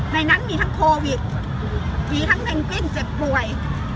ในนั้นมีทั้งโควิดมีทั้งเพนกวินเจ็บป่วย